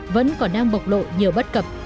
vẫn còn đang bộc lộ nhiều bất cập